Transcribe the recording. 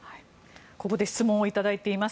ここで質問を頂いています。